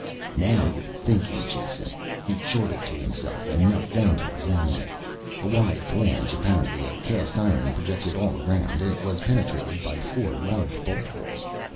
"Now you're thinking, Jason," he chortled to himself, and knelt down to examine it. A wide flange, apparently of cast iron, projected all around, and was penetrated by four large bolt holes.